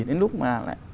đến lúc mà